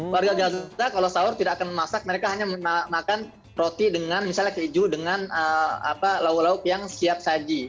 warga gaza kalau sahur tidak akan memasak mereka hanya makan roti dengan misalnya keju dengan lauk lauk yang siap saji